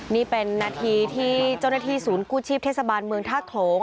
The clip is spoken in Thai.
นี่เป็นนาทีที่เจ้าหน้าที่ศูนย์กู้ชีพเทศบาลเมืองท่าโขลง